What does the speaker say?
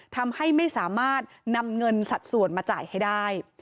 ทำให้ไม่สามารถนำเงินสัดส่วนมาจ่ายให้ได้